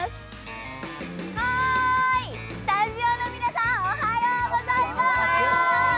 スタジオの皆さん、おはようございまーす！